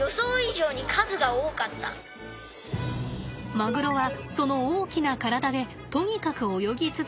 マグロはその大きな体でとにかく泳ぎ続けます。